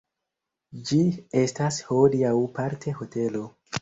Ĝi estas hodiaŭ parte hotelo.